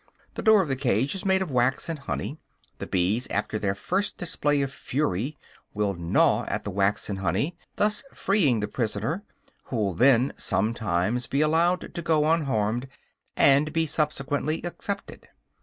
The door of the cage is made of wax and honey; the bees, after their first display of fury, will gnaw at the wax and honey, thus freeing the prisoner, who will then sometimes be allowed to go unharmed, and be subsequently accepted.